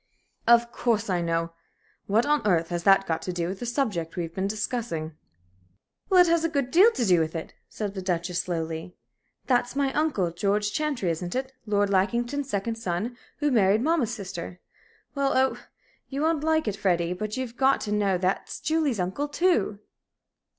"Of course I know. What on earth has that got to do with the subject we have been discussing?" "Well, it has a good deal to do with it," said the Duchess, slowly. "That's my uncle, George Chantrey, isn't it, Lord Lackington's second son, who married mamma's sister? Well oh, you won't like it, Freddie, but you've got to know that's Julie's uncle, too!"